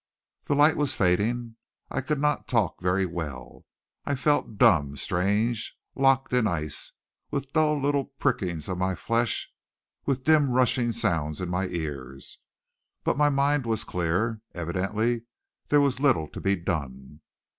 The light was fading. I could not talk very well. I felt dumb, strange, locked in ice, with dull little prickings of my flesh, with dim rushing sounds in my ears. But my mind was clear. Evidently there was little to be done.